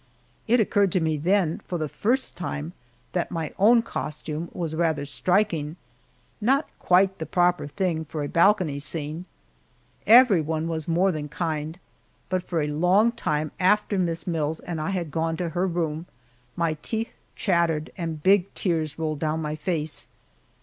It occurred to me then, for the first time, that my own costume was rather striking not quite the proper thing for a balcony scene. Everyone was more than kind, but for a long time after Miss Mills and I had gone to her room my teeth chattered and big tears rolled down my face.